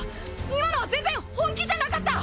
今のは全然本気じゃなかった！